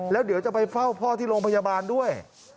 แล้วเดี๋ยวจะไปเฝ้าพ่อที่โรงพยาบาลด้วย